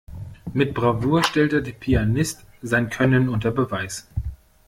Mit Bravour stellte der Pianist sein Können unter Beweis.